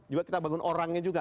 juga kita bangun orangnya juga